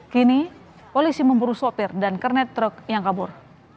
kini polisi memburu sopir dan kernet truk yang kabur